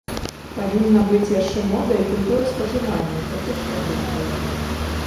Павінна быць яшчэ мода і культура спажывання гэтых прадуктаў.